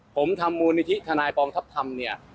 ผมทำมูลนิธิทนายกองทัพธรรมเนี่ย